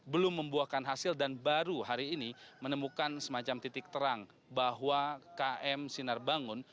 belum membuahkan hasil dan baru hari ini menemukan semacam titik terang bahwa km sinar bangun